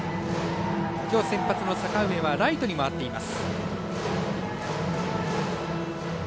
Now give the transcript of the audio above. きょう先発の阪上はライトに回っています。